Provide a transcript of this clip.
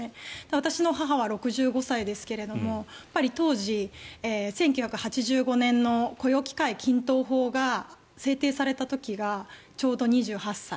私の母は６５歳ですが当時、１９８５年の雇用機会均等法が制定された時がちょうど２８歳。